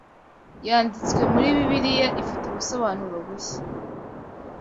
yanditswe muri Bibiliya ifite ubusobanuro bushya.